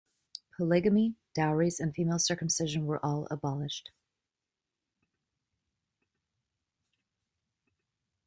Polygamy, dowries and female circumcision were all abolished.